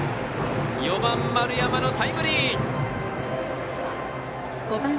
４番、丸山のタイムリー。